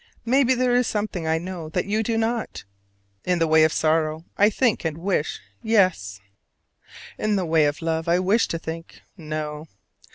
Maybe there is something I know that you do not. In the way of sorrow, I think and wish yes. In the way of love, I wish to think no.